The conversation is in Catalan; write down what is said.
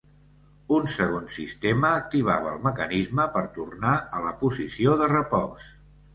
Un segon sistema activava el mecanisme per tornar a la posició de repòs.